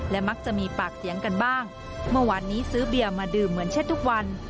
มักจะมีปากเสียงกันบ้างเมื่อวานนี้ซื้อเบียร์มาดื่มเหมือนเช่นทุกวัน